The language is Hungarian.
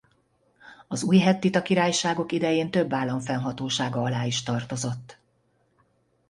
Az újhettita királyságok idején több állam fennhatósága alá is tartozott.